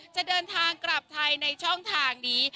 จะเดินทางกลับไทยในช่องทางนี้